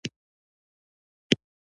له الوتکې چې ووتلو موږ افغانان ولاړ وو.